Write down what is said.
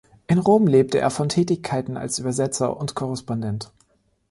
In Rom lebte er von Tätigkeiten als Übersetzer und Korrespondent.